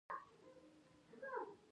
هغه پخپله له ګاندي اغېزمن و.